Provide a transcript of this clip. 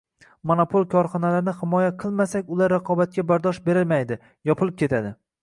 «monopol korxonalarni himoya qilmasak ular raqobatga bardosh bermaydi – yopilib ketadi»